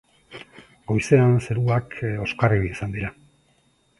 Goizean zeruak oskarbi izan dira.